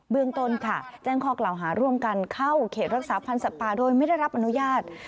เรื่องต้นค่ะแจ้งข้อกล่าวหาร่วมกันเข้าเขตรักษาพันธ์สัตว์ป่าโดยไม่ได้รับอนุญาต